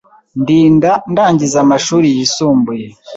ndinda ndangiza amashuri yisumbuye.